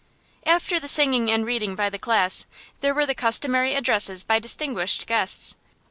After the singing and reading by the class, there were the customary addresses by distinguished guests.